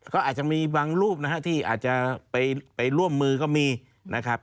ก็อาจจะมีบางรูปนะฮะที่อาจจะไปร่วมมือก็มีนะครับ